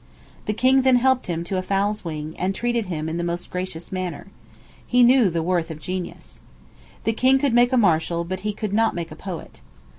The king then helped him to a fowl's wing, and treated him in the most gracious manner. He knew the worth of genius. The king could make a marshal, but he could not make a poet.